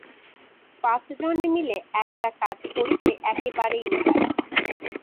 পাঁচজনে মিলে একটা কাজ করিতে একেবারেই নারাজ।